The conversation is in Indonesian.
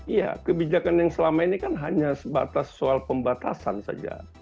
iya kebijakan yang selama ini kan hanya sebatas soal pembatasan saja